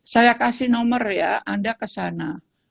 saya kasih nomor ya anda kesana